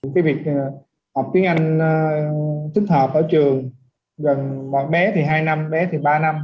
cái việc học tiếng anh tích hợp ở trường gần bọn bé thì hai năm bé thì ba năm